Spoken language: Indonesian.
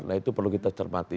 nah itu perlu kita cermati